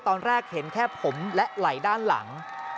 ตอนแรกเห็นแค่ผมและไหลด้านหลัง